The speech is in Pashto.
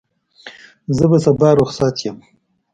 زه به سبا رخصت یم.